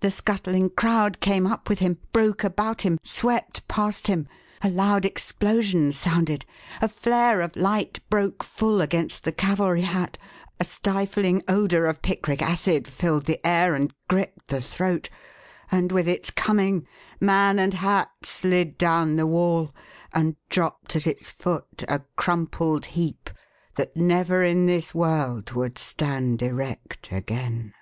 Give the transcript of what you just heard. The scuttling crowd came up with him, broke about him, swept past him. A loud explosion sounded; a flare of light broke full against the cavalry hat; a stifling odour of picric acid filled the air and gripped the throat, and with its coming, man and hat slid down the wall and dropped at its foot a crumpled heap that never in this world would stand erect again.